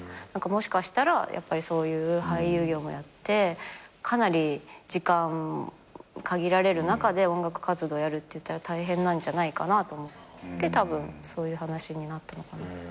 もしかしたらやっぱりそういう俳優業もやってかなり時間限られる中で音楽活動やるっていったら大変なんじゃないかなと思ってたぶんそういう話になったのかな。